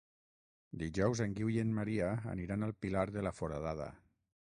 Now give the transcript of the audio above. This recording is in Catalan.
Dijous en Guiu i en Maria aniran al Pilar de la Foradada.